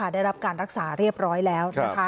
ได้รับการรักษาเรียบร้อยแล้ว